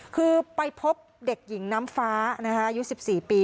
คือไปพบเด็กหญิงน้ำฟ้านะคะอายุสิบสี่ปี